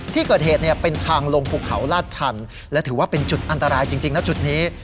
ที่เกิดเหตุเนี่ยเป็นทางลงภูเขาลาดชันและถือว่าเป็นจุดอันตรายจริงนะจุดนี้